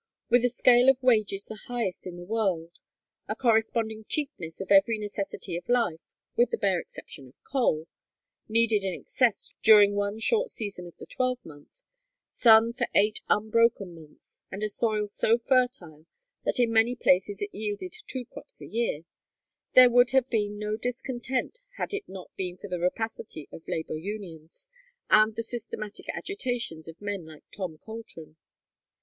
With a scale of wages the highest in the world, a corresponding cheapness of every necessity of life, with the bare exception of coal, needed in excess during one short season of the twelve month, sun for eight unbroken months, and a soil so fertile that in many places it yielded two crops a year, there would have been no discontent had it not been for the rapacity of labor unions, and the systematic agitations of men like Tom Colton.